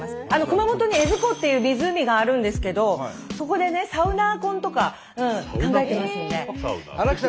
熊本に江津湖っていう湖があるんですけどそこでねサウナ婚とか考えてますので。